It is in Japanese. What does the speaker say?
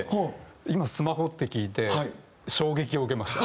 今スマホって聞いて衝撃を受けました。